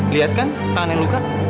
lihat kan tangan yang luka